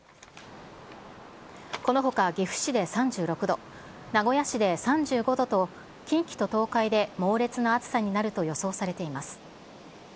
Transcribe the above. このほか岐阜市で３６度、名古屋市で３５度と、近畿と東海で猛烈な暑さになると予想されています。